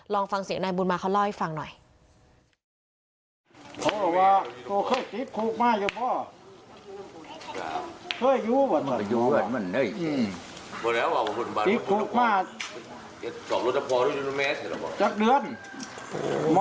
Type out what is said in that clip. ลองฟังเสียงนายบุญมาเขาเล่าให้ฟังหน่อย